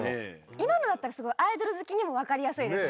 今のだったらすごいアイドル好きにもわかりやすいですね。